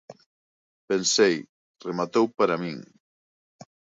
Pensei: "rematou para min".